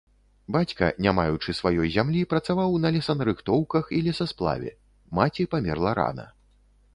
Бацька, не маючы сваёй зямлі, працаваў на лесанарыхтоўках і лесасплаве, маці памерла рана.